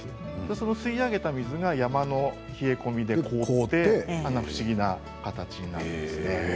その吸い上げた水が山の冷え込みで凍ってあんな不思議な形になるんですね。